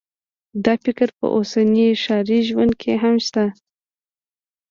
دا فکر په اوسني ښاري ژوند کې هم شته